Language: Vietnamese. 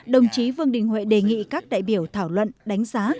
đồng chí vương đình huệ đề nghị các đại biểu thảo luận đánh giá